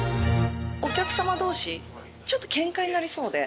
お客様同士ちょっとケンカになりそうで。